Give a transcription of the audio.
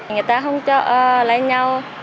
người ta không cho lấy nhau